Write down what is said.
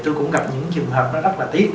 tôi cũng gặp những trường hợp nó rất là tiếc